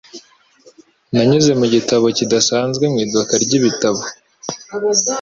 Nanyuze mu gitabo kidasanzwe mu iduka ryibitabo.